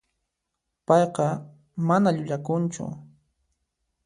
Payqa mana llullakunchu.